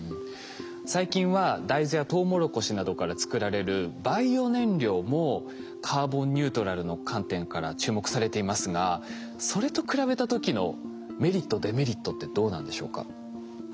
最近は大豆やトウモロコシなどから作られるバイオ燃料もカーボンニュートラルの観点から注目されていますがそれと比べた時のメリットデメリットってどうなんでしょうか？